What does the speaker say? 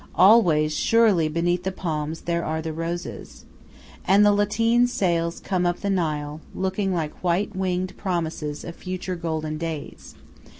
Always surely beneath the palms there are the roses. And the lateen sails come up the Nile, looking like white winged promises of future golden days.